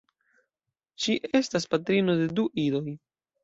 Ŝi estas patrino de du idoj.